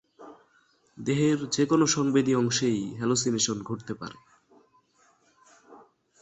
দেহের যেকোনো সংবেদী অংশেই হ্যালোসিনেশন ঘটতে পারে।